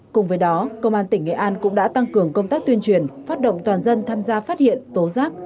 cùng với đó công an tỉnh nghệ an cũng đã tăng cường công tác tuyên truyền phát động toàn dân tham gia phát hiện tố giác